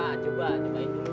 kuat papa coba